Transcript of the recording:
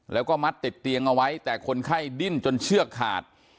แล้วก็มัดติดเตียงเอาไว้แต่คนไข้ดิ้นจนเชือกขาด